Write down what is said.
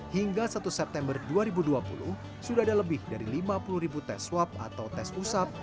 hingga satu september dua ribu dua puluh sudah ada lebih dari lima puluh ribu tes swab atau tes usap